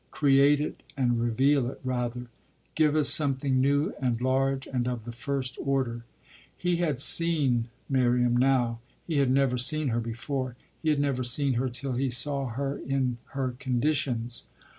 "Create it and reveal it, rather; give us something new and large and of the first order!" He had seen Miriam now; he had never seen her before; he had never seen her till he saw her in her conditions.